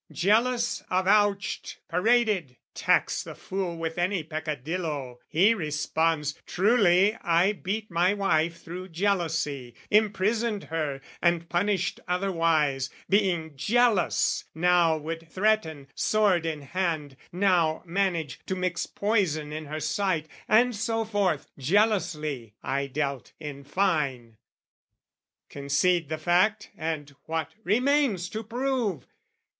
Jealous avouched, paraded: tax the fool With any peccadillo, he responds "Truly I beat my wife through jealousy, "Imprisoned her and punished otherwise, "Being jealous: now would threaten, sword in hand, "Now manage to mix poison in her sight, "And so forth: jealously I dealt, in fine." Concede the fact and what remains to prove?